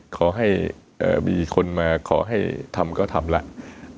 ขอให้มีคนมาขอให้ทำก็ทำแล้ว